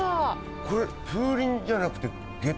これ風鈴じゃなくてゲタ鈴？